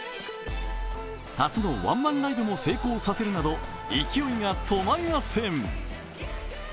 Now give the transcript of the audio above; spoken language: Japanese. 初のワンマンライブも成功させるなど勢いが止まりません。